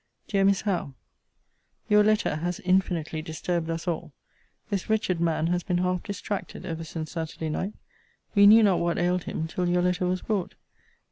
DEAR MISS HOWE, Your letter has infinitely disturbed us all. This wretched man has been half distracted ever since Saturday night. We knew not what ailed him, till your letter was brought.